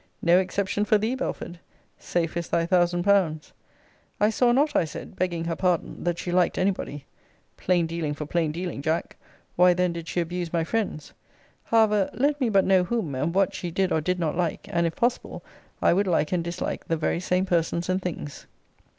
No exception for thee, Belford! Safe is thy thousand pounds. I saw not, I said, begging her pardon, that she liked any body. [Plain dealing for plain dealing, Jack! Why then did she abuse my friends?] However, let me but know whom and what she did or did not like; and, if possible, I would like and dislike the very same persons and things.